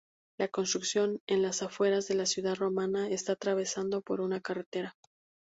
La construcción, en las afueras de la ciudad romana, está atravesado por una carretera.